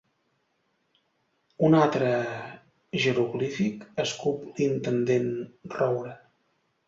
Un altre jeroglífic? —escup l'intendent Roure.